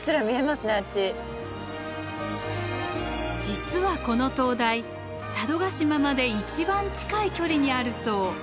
実はこの灯台佐渡島まで一番近い距離にあるそう。